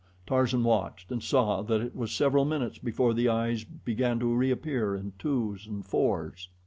Tarzan watched and saw that it was several minutes before the eyes began to reappear in twos and fours.